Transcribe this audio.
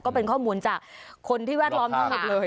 ก็เป็นข้อมูลจากคนที่แวดล้อมทั้งหมดเลย